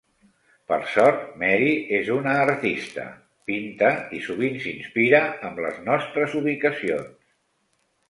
Per sort, Mary es una artista. Pinta i sovint s'inspira amb les nostres ubicacions.